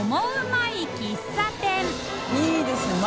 いいですね